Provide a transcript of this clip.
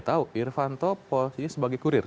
tahu irvanto posisinya sebagai kurir